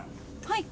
はい。